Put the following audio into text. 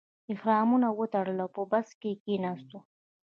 احرامونه مو وتړل او په بس کې کیناستو.